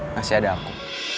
masih ada aku